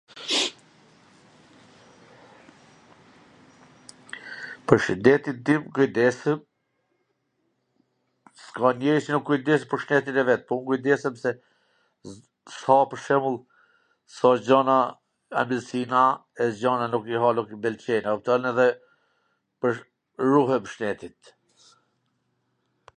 Pwr shwndetin tim kujdesem... s ka njeri qw nuk kujdeset pwr shwndetin e vet, po un kujdesem se s ha pwr shembull, s ha gjana ambwlsiina, nuk ha gjana qw nuk mw pwlqejn, a kupton, dhe pwr ... ruhem shwndetit.